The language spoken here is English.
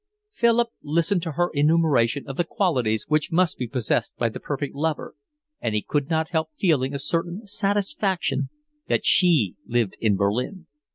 Philip listened to her enumeration of the qualities which must be possessed by the perfect lover, and he could not help feeling a certain satisfaction that she lived in Berlin.